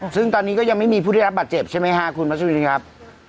ซึ่งตอนนี้ก็ยังไม่มีผู้ได้รับบาดเจ็บใช่ไหมฮะคุณพัชรินครับ